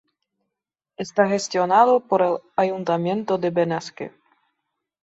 Está gestionado por el ayuntamiento de Benasque.